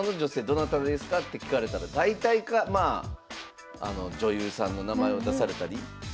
どなたですかって聞かれたら大体まあ女優さんの名前を出されたり。